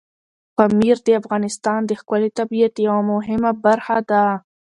پامیر د افغانستان د ښکلي طبیعت یوه مهمه برخه ده.